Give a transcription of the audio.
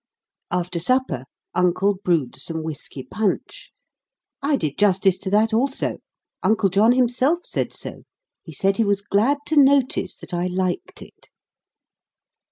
After supper, Uncle brewed some whisky punch. I did justice to that also; Uncle John himself said so. He said he was glad to notice that I liked it.